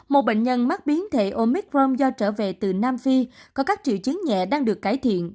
một bệnh nhân mắc biến thể omicrom do trở về từ nam phi có các triệu chứng nhẹ đang được cải thiện